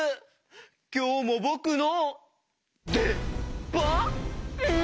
きょうもぼくのでばん？